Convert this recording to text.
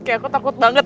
kayak aku takut banget